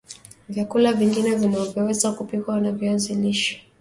Vyakula vingine vinavyoweza kupikwa na viazi lishe